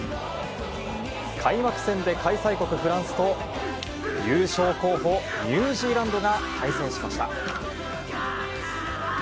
開幕戦で開催国フランスと、優勝候補、ニュージーランドが対戦しました。